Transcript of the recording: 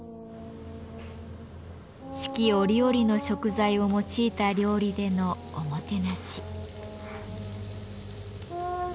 四季折々の食材を用いた料理でのおもてなし。